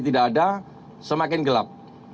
tidak ada semakin gelap